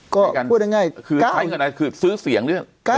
ก็พูดง่ายคือใช้เงินอะไรคือซื้อเสียงหรือ